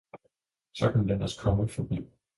Så kom landets konge forbi.